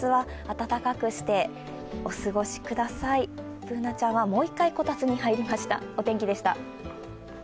Ｂｏｏｎａちゃんはもう一回こたつに入りました。